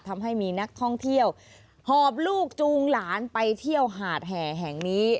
ทำให้มีนักท่องเที่ยวหอบลูกจูงหลานไปเที่ยวหาดแห่แห่งนี้